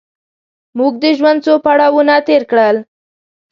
موږ د ژوند څو پړاوونه تېر کړل.